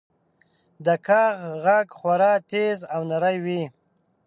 • د زاغ ږغ خورا تیز او نری وي.